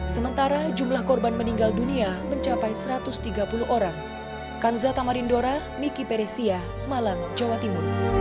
sementara jumlah korban meninggal dunia mencapai satu ratus tiga puluh orang